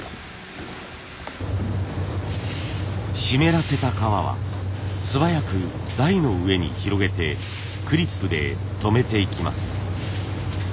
湿らせた革は素早く台の上に広げてクリップでとめていきます。